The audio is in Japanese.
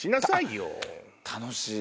楽しい。